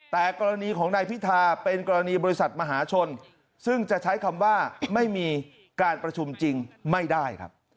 แต่กรณีของนายพิธาเป็นกรณีบริษัทมหาชนซึ่งจะใช้คำว่าไม่มีการประชุมจริงไม่ได้ครับ